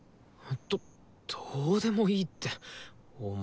どどうでもいいってお前。